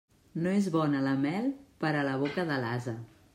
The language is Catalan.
No és bona la mel per a la boca de l'ase.